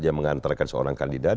dia mengantarkan seorang kandidat